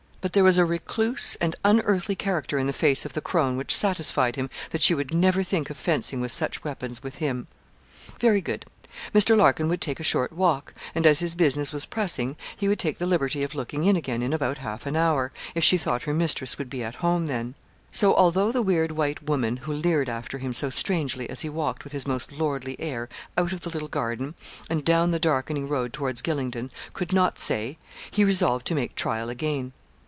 But there was a recluse and unearthly character in the face of the crone which satisfied him that she would never think of fencing with such weapons with him. Very good. Mr. Larkin would take a short walk, and as his business was pressing, he would take the liberty of looking in again in about half an hour, if she thought her mistress would be at home then. So, although the weird white woman who leered after him so strangely as he walked with his most lordly air out of the little garden, and down the darkening road towards Gylingden, could not say, he resolved to make trial again.